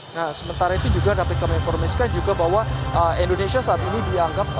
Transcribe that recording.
nah sementara itu juga dapat kami informasikan juga bahwa indonesia saat ini dianggap